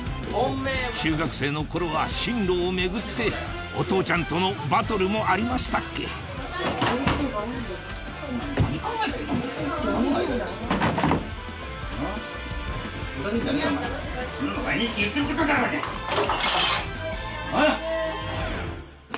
中学生の頃は進路を巡ってお父ちゃんとのバトルもありましたっけん